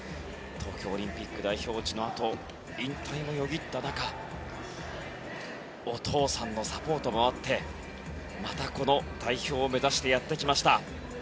東京オリンピック代表落ちのあと引退もよぎった中お父さんのサポートもあってまたこの代表を目指してやってきました。